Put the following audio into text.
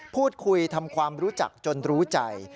พูดคุยทำความรู้จักจนรู้ใจ